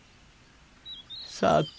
さて。